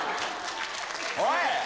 おい！